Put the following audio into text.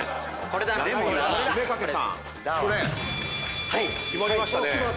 これ⁉決まりましたね。